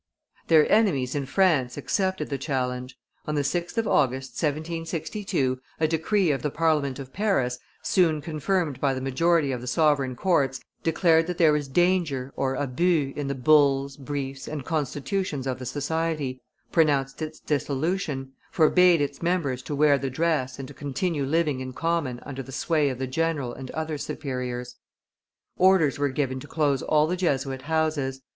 Their enemies in France accepted the challenge. On the 6th of August, 1762, a decree of the Parliament of Paris, soon confirmed by the majority of the sovereign courts, declared that there was danger (abus) in the bulls, briefs, and constitutions of the Society, pronounced its dissolution, forbade its members to wear the dress and to continue living in common under the sway of the general and other superiors. Orders were given to close all the Jesuit houses.